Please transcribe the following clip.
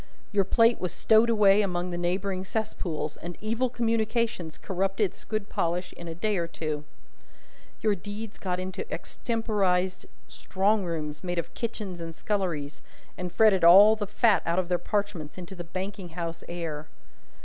Your plate was stowed away among the neighbouring cesspools, and evil communications corrupted its good polish in a day or two. Your deeds got into extemporised strong rooms made of kitchens and sculleries, and fretted all the fat out of their parchments into the banking house air.